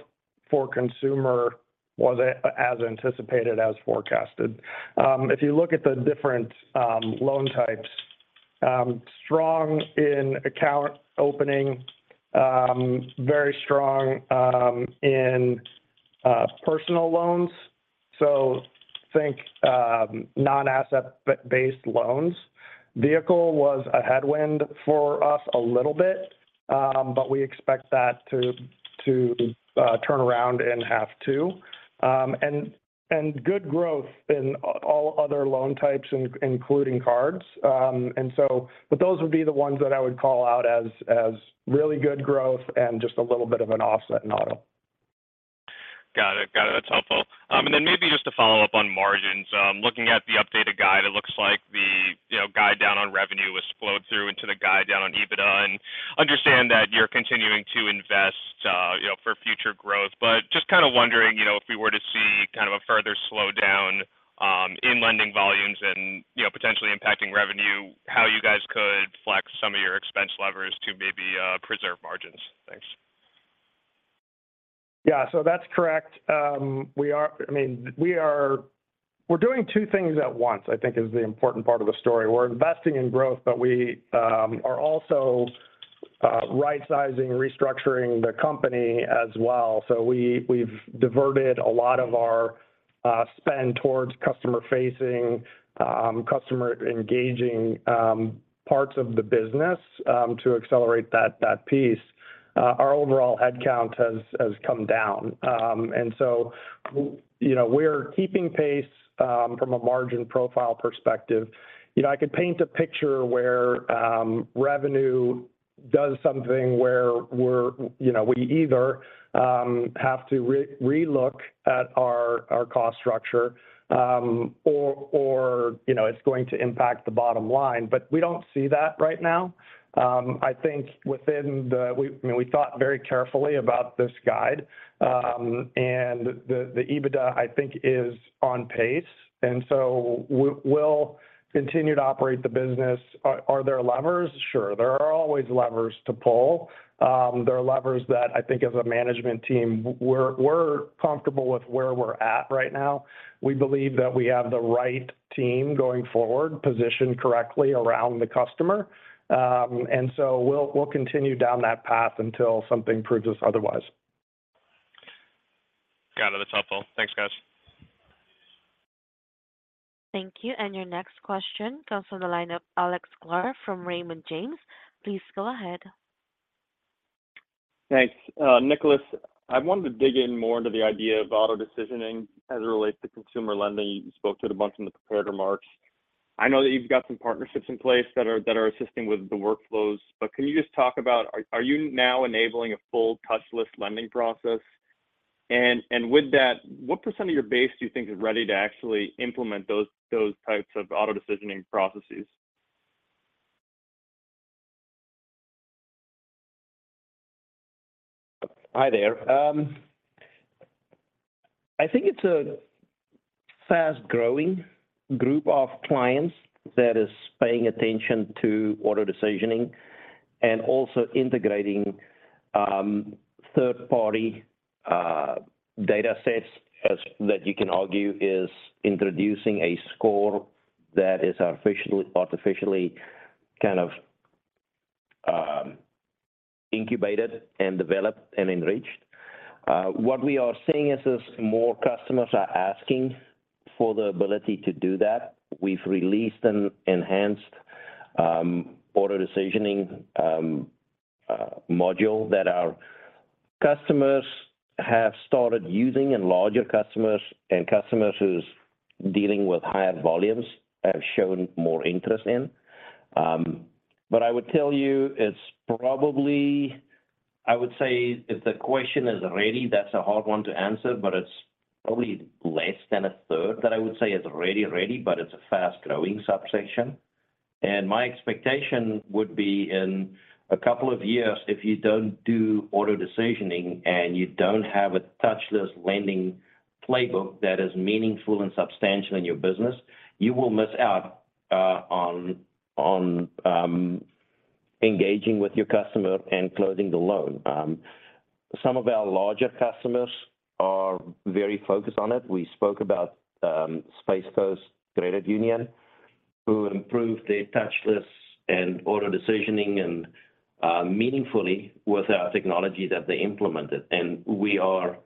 for consumer was as anticipated, as forecasted. If you look at the different loan types, strong in account opening. Very strong in personal loans. So think non-asset-based loans. Vehicle was a headwind for us a little bit, but we expect that to turn around in half two. Good growth in all other loan types, including cards. But those would be the ones that I would call out as really good growth and just a little bit of an offset in auto. Got it. Got it. That's helpful. Then maybe just to follow up on margins. Looking at the updated guide, it looks like the, you know, guide down on revenue was flowed through into the guide down on EBITDA. Understand that you're continuing to invest, you know, for future growth, but just kind of wondering, you know, if we were to see kind of a further slowdown, in lending volumes and, you know, potentially impacting revenue, how you guys could flex some of your expense levers to maybe preserve margins? Thanks. Yeah. That's correct. We are, I mean, we are, we're doing two things at once, I think is the important part of the story. We're investing in growth, but we are also right-sizing, restructuring the company as well. We, we've diverted a lot of our spend towards customer facing, customer engaging, parts of the business to accelerate that, that piece. Our overall headcount has, has come down. You know, we're keeping pace from a margin profile perspective. You know, I could paint a picture where revenue does something where we're, you know, we either have to re-relook at our, our cost structure, or, or, you know, it's going to impact the bottom line, but we don't see that right now. I think within we, I mean, we thought very carefully about this guide. The EBITDA, I think, is on pace, so we'll continue to operate the business. Are there levers? Sure, there are always levers to pull. There are levers that I think as a management team, we're, we're comfortable with where we're at right now. We believe that we have the right team going forward, positioned correctly around the customer. So we'll, we'll continue down that path until something proves us otherwise. Got it. That's helpful. Thanks, guys. Thank you. Your next question comes from the line of Alexander Sklar from Raymond James. Please go ahead. Thanks. Nicolaas, I wanted to dig in more into the idea of auto decisioning as it relates to consumer lending. You spoke to it a bunch in the prepared remarks. I know that you've got some partnerships in place that are, that are assisting with the workflows, but can you just talk about are, are you now enabling a full touchless lending process? With that, what percent of your base do you think is ready to actually implement those, those types of auto decisioning processes? Hi there. I think it's a fast-growing group of clients that is paying attention to auto decisioning and also integrating third-party datasets, as that you can argue is introducing a score that is artificially, artificially kind of, incubated and developed and enriched. What we are seeing is that more customers are asking for the ability to do that. We've released an enhanced auto decisioning module that our customers have started using, and larger customers and customers who's dealing with higher volumes have shown more interest in. I would tell you it's probably. I would say if the question is ready, that's a hard one to answer, but it's probably less than a third that I would say is already ready, but it's a fast-growing subsection. My expectation would be in two years, if you don't do auto decisioning, and you don't have a touchless lending playbook that is meaningful and substantial in your business, you will miss out on, on engaging with your customer and closing the loan. Some of our larger customers are very focused on it. We spoke about Space Coast Credit Union, who improved their touchless and auto decisioning and meaningfully with our technology that they implemented. We are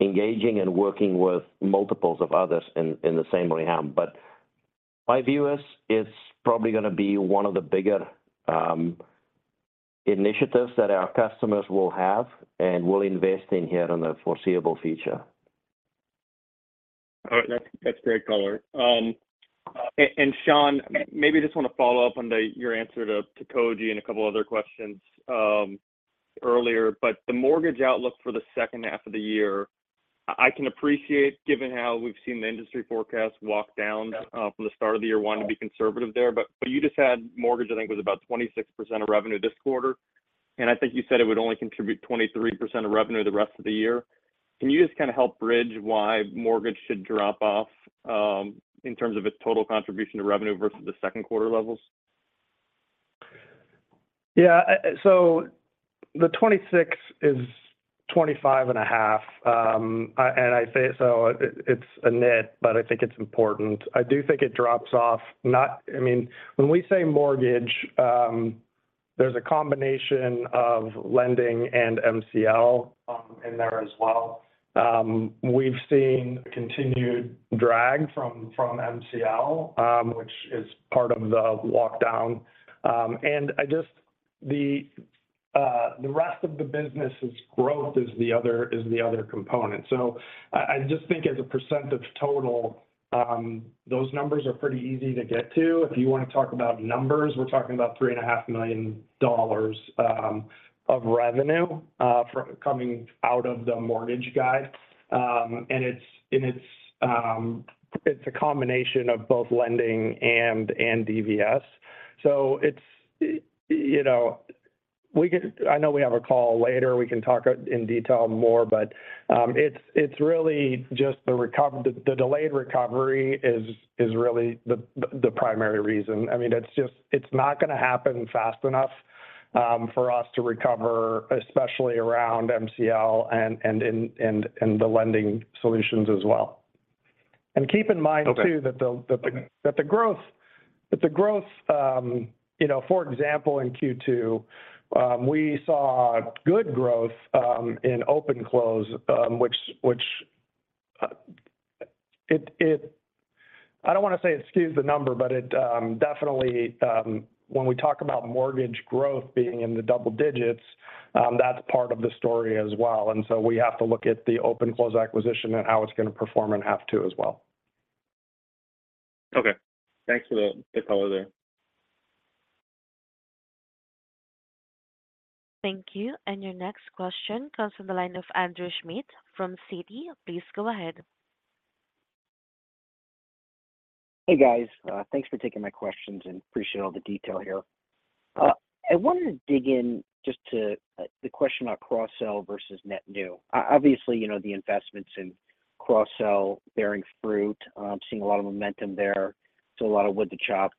engaging and working with multiples of others in, in the same realm. My view is, it's probably gonna be one of the bigger initiatives that our customers will have and will invest in here in the foreseeable future. All right, that's, that's great color. And Sean, maybe just want to follow up on the, your answer to, to Koji and a couple other questions earlier. The mortgage outlook for the second half of the year, I, I can appreciate, given how we've seen the industry forecast walk down from the start of the year, wanting to be conservative there. But you just had mortgage, I think, was about 26% of revenue this quarter. I think you said it would only contribute 23% of revenue the rest of the year. Can you just kind of help bridge why mortgage should drop off in terms of its total contribution to revenue versus the second quarter levels? Yeah. The 26% is 25.5%. I say, it, it's a nit, but I think it's important. I do think it drops off. I mean, when we say mortgage, there's a combination of lending and MCL in there as well. We've seen continued drag from, from MCL, which is part of the lockdown. I just the rest of the business's growth is the other, is the other component. I, I just think as a percentage total, those numbers are pretty easy to get to. If you want to talk about numbers, we're talking about $3.5 million of revenue, from coming out of the mortgage guide. It's, and it's, it's a combination of both lending and DVS. It's, you know, we can. I know we have a call later. We can talk in detail more, but, it's, it's really just the recover, the delayed recovery is, is really the, the, the primary reason. I mean, it's just, it's not going to happen fast enough, for us to recover, especially around MCL and the lending solutions as well. Keep in mind, too. Okay. That the growth, that the growth, you know, for example, in Q2, we saw good growth in OpenClose, which, which, it, I don't want to say it skews the number, but it definitely, when we talk about mortgage growth being in the double digits, that's part of the story as well. We have to look at the OpenClose acquisition and how it's going to perform in half two as well. Okay. Thanks for the detail there. Thank you. Your next question comes from the line of Andrew Schmidt from Citi. Please go ahead. Hey, guys. Thanks for taking my questions and appreciate all the detail here. I wanted to dig in just to the question about cross-sell versus net new. Obviously, you know, the investments in cross-sell bearing fruit. Seeing a lot of momentum there, so a lot of wood to chop.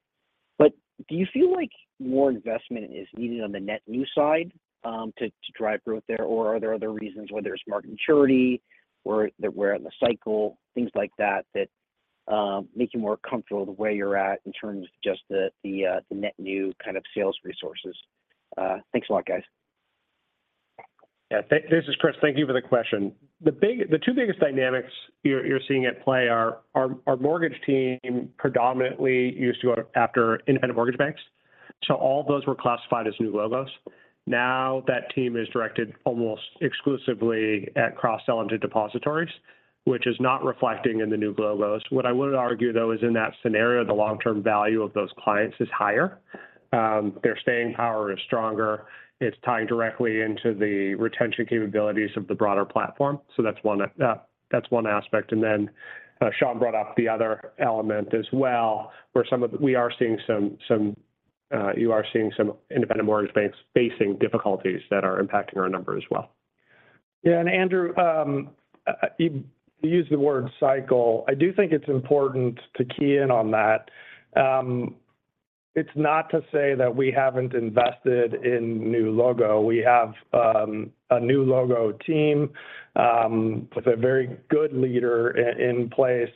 Do you feel like more investment is needed on the net new side, to drive growth there? Or are there other reasons, whether it's market maturity or that we're in the cycle, things like that, that make you more comfortable the way you're at in terms of just the net new kind of sales resources? Thanks a lot, guys. Yeah. This is Chris. Thank you for the question. The two biggest dynamics you're, you're seeing at play are, our mortgage team predominantly used to go after independent mortgage banks, so all those were classified as new logos. Now, that team is directed almost exclusively at cross-selling to depositories, which is not reflecting in the new logos. What I would argue, though, is in that scenario, the long-term value of those clients is higher. Their staying power is stronger. It's tied directly into the retention capabilities of the broader platform. So that's one, that's one aspect. Then, Sean brought up the other element as well, where we are seeing some, some, you are seeing some independent mortgage banks facing difficulties that are impacting our number as well. Yeah, and, Andrew, you used the word cycle. I do think it's important to key in on that. It's not to say that we haven't invested in new logo. We have a new logo team with a very good leader in place,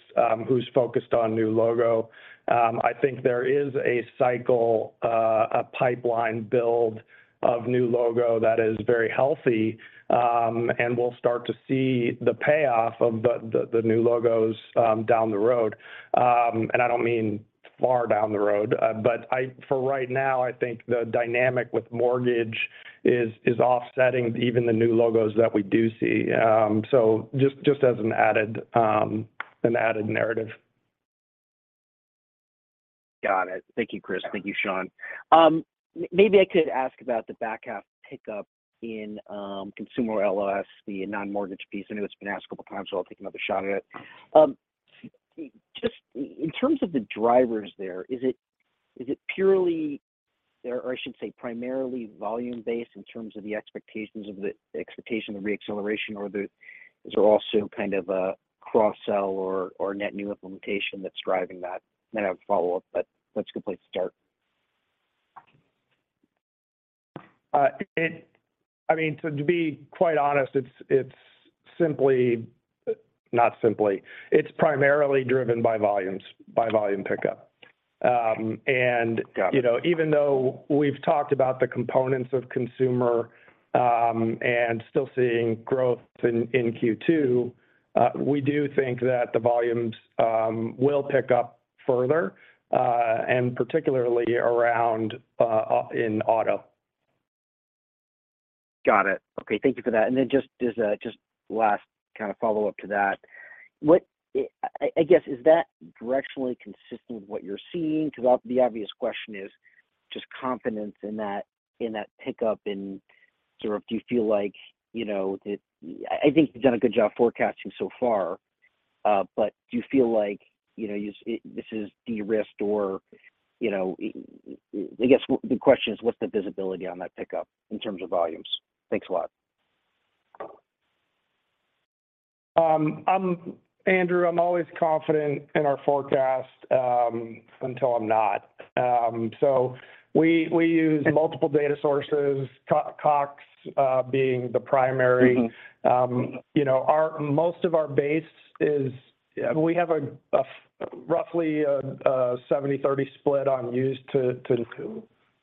who's focused on new logo. I think there is a cycle, a pipeline build of new logo that is very healthy, and we'll start to see the payoff of the new logos down the road. I don't mean far down the road, but I for right now, I think the dynamic with mortgage is offsetting even the new logos that we do see. Just, just as an added, an added narrative. Got it. Thank you, Chris. Thank you, Sean. Maybe I could ask about the back half pickup in, Consumer LOS, the non-mortgage piece. I know it's been asked a couple of times, so I'll take another shot at it. Just in terms of the drivers there, is it, is it purely there, or I should say, primarily volume-based in terms of the expectations of the- expectation of re-acceleration, or there is also kind of a cross-sell or, or net new implementation that's driving that? I have a follow-up, but that's a good place to start. I mean, to be quite honest, it's, it's not simply, it's primarily driven by volumes, by volume pickup. Got it. You know, even though we've talked about the components of consumer, and still seeing growth in, in Q2, we do think that the volumes will pickup in auto, and particularly around up in auto. Got it. Okay, thank you for that. Just as a, just last kind of follow-up to that, what, I guess, is that directionally consistent with what you're seeing? Because the obvious question is just confidence in that, in that pickup and sort of do you feel like, you know, I think you've done a good job forecasting so far. Do you feel like, you know, this is de-risked or, you know, I guess the question is, what's the visibility on that pickup in terms of volumes? Thanks a lot. Andrew, I'm always confident in our forecast, until I'm not. We, we use multiple data sources, CoreLogic, being the primary. Mm-hmm. You know, our most of our base is, yeah, we have a, a roughly, a, a 70/30 split on used to.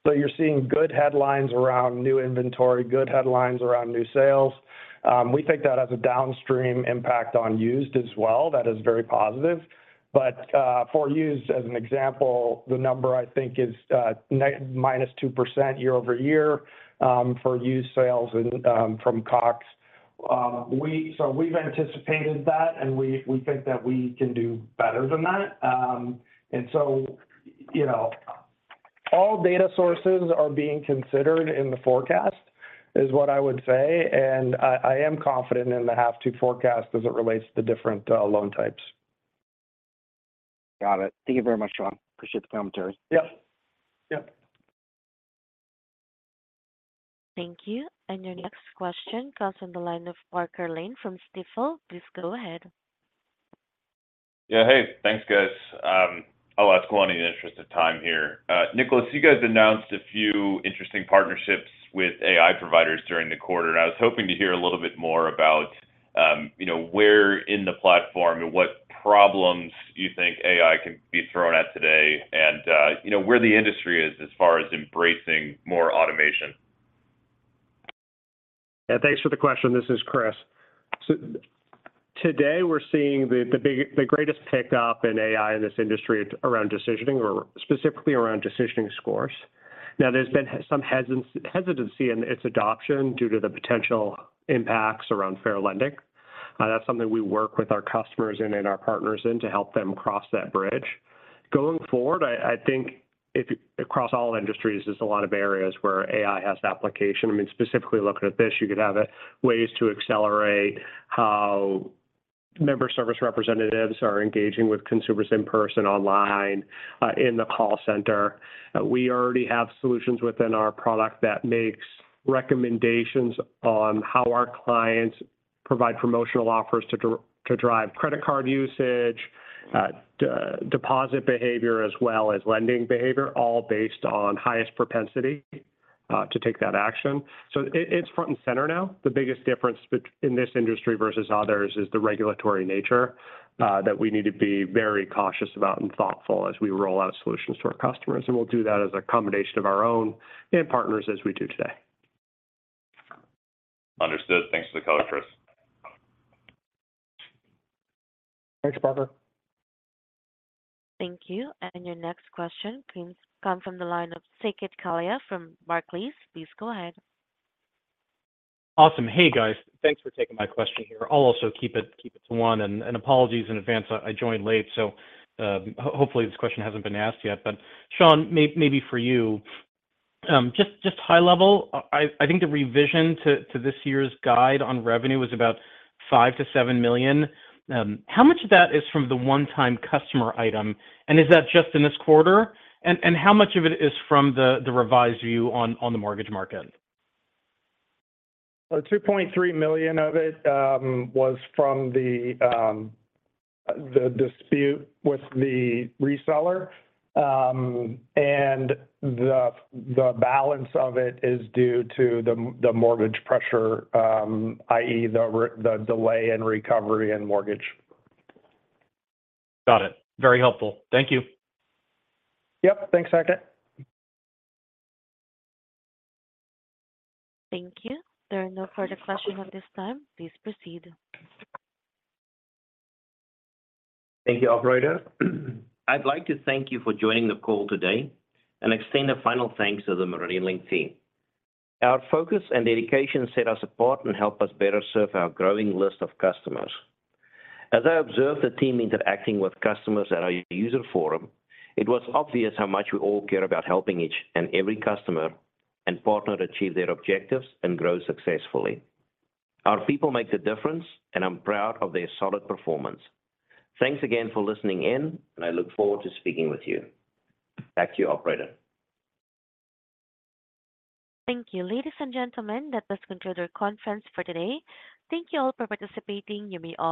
You're seeing good headlines around new inventory, good headlines around new sales. We take that as a downstream impact on used as well. That is very positive. For used, as an example, the number I think is, -2% year-over-year, for used sales and, from CoreLogic. So we've anticipated that, and we, we think that we can do better than that. So, you know, all data sources are being considered in the forecast, is what I would say, and I, I am confident in the half two forecast as it relates to different, loan types. Got it. Thank you very much, Sean. Appreciate the commentary. Yep. Yep. Thank you. Your next question comes on the line of Parker Lane from Stifel. Please go ahead. Yeah, hey, thanks, guys. I'll ask one in the interest of time here. Nicolaas, you guys announced a few interesting partnerships with AI providers during the quarter, and I was hoping to hear a little bit more about, you know, where in the platform and what problems you think AI can be thrown at today, and, you know, where the industry is as far as embracing more automation? Yeah, thanks for the question. This is Chris. Today, we're seeing the greatest pickup in AI in this industry around decisioning, or specifically around decisioning scores. There's been some hesitancy in its adoption due to the potential impacts around Fair Lending. That's something we work with our customers and our partners in to help them cross that bridge. Going forward, I think across all industries, there's a lot of areas where AI has application. I mean, specifically looking at this, you could have ways to accelerate how member service representatives are engaging with consumers in person, online, in the call center. We already have solutions within our product that makes recommendations on how our clients provide promotional offers to drive credit card usage, deposit behavior, as well as lending behavior, all based on highest propensity to take that action. It, it's front and center now. The biggest difference in this industry versus others is the regulatory nature that we need to be very cautious about and thoughtful as we roll out solutions to our customers. We'll do that as a combination of our own and partners as we do today. Understood. Thanks for the color, Chris. Thanks, Parker. Thank you. Your next question comes from the line of Saket Kalia from Barclays. Please go ahead. Awesome. Hey, guys. Thanks for taking my question here. I'll also keep it, keep it to one, and apologies in advance, I joined late, so hopefully this question hasn't been asked yet. Sean, maybe for you, just high level, I think the revision to this year's guide on revenue was about $5 million-$7 million. How much of that is from the one-time customer item, and is that just in this quarter? How much of it is from the revised view on the mortgage market? $2.3 million of it was from the dispute with the reseller. The balance of it is due to the mortgage pressure, i.e., the delay in recovery and mortgage. Got it. Very helpful. Thank you. Yep, thanks, Saket. Thank you. There are no further questions at this time. Please proceed. Thank you, operator. I'd like to thank you for joining the call today and extend a final thanks to the MeridianLink team. Our focus and dedication set us apart and help us better serve our growing list of customers. As I observed the team interacting with customers at our user forum, it was obvious how much we all care about helping each and every customer and partner achieve their objectives and grow successfully. Our people make a difference, and I'm proud of their solid performance. Thanks again for listening in, and I look forward to speaking with you. Back to you, operator. Thank you, ladies and gentlemen. That does conclude our conference for today. Thank you all for participating. You may all.